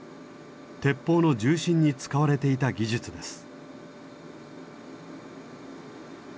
鉄砲の銃身に使われていた技術です。